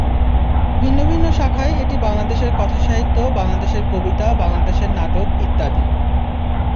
ভিন্ন ভিন্ন শাখায় এটি বাংলাদেশের কথাসাহিত্য, বাংলাদেশের কবিতা, বাংলাদেশের নাটক ইত্যাদি।